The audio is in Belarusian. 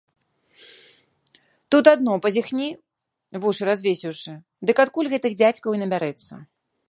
Тут адно пазяхні, вушы развесіўшы, дык адкуль гэтых дзядзькаў і набярэцца.